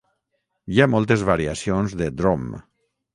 Hi ha moltes variacions de "Drom".